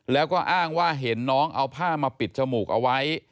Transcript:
แล้วก็อ้างว่าเห็นน้องเอาผ้ามาปิดจมูกเอาไว้